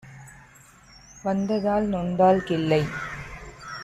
வந்ததால் நொந்தாள் கிள்ளை